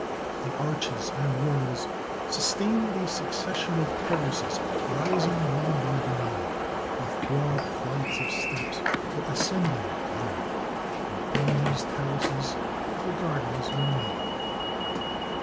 The arches and walls sustained a succession of terraces, rising one above another, with broad flights of steps for ascending to them, and on these terraces the gardens were made.